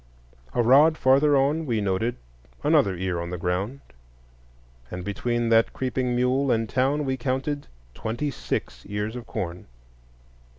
A rod farther on we noted another ear on the ground; and between that creeping mule and town we counted twenty six ears of corn.